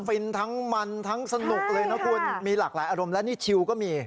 ฟินทั้งมันทั้งสนุกเลยนะคุณมีหลากหลายอารมณ์และนี่ชิวก็มี